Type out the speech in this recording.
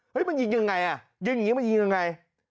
มันยิงยังไงอ่ะยิงอย่างนี้มันยิงยังไง